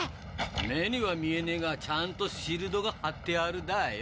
目には見えねえがちゃんとシールドが張ってあるだあよ。